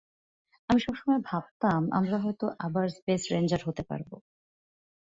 আমি সবসময় ভাবতাম, আমরা হয়তো আবার স্পেস রেঞ্জার হতে পারব।